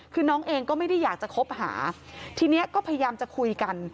คือน้องเองก็ไม่ได้อยากจะคบหาทีนี้ก็พยายามจะคุยกัน